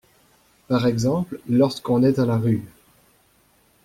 Par exemple lorsqu’on est “à la rue”.